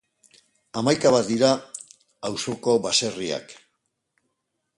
Hamaika bat dira auzoko baserriak.